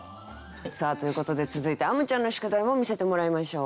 ということで続いてあむちゃんの宿題も見せてもらいましょう。